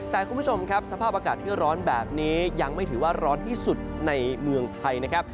แต่คุณผู้ชมครับสภาพอากาศที่ร้อนแบบนี้ยังไม่ถือว่าร้อนที่สุดในเมืองไทยนะครับ